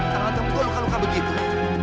tangan kamu kok luka luka begitu